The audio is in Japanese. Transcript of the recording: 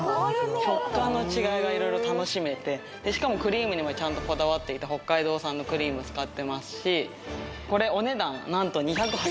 食感の違いが色々楽しめてしかもクリームにもちゃんとこだわっていて北海道産のクリーム使ってますしこれお値段何ともう学食価格